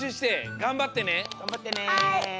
がんばって！